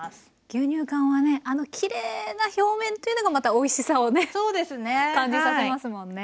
牛乳かんはねあのきれいな表面というのがまたおいしさをね感じさせますもんね。